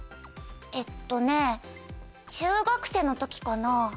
えっとね中学生の時かな。